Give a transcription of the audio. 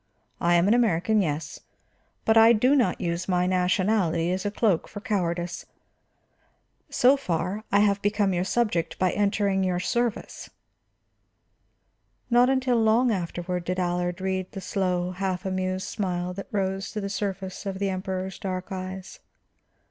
I am an American, yes, but I do not use my nationality as a cloak for cowardice. So far, I have become your subject by entering your service." Not until long afterward did Allard read the slow, half amused smile that rose to the surface of the Emperor's dark eyes.